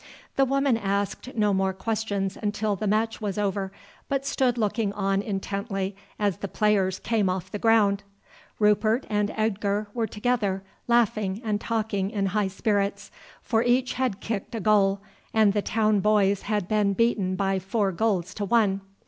The woman asked no more questions until the match was over, but stood looking on intently as the players came off the ground. Rupert and Edgar were together, laughing and talking in high spirits; for each had kicked a goal, and the town boys had been beaten by four goals to one.